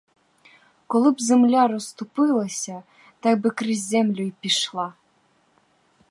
Коли б земля розступилася — так би крізь землю й пішла.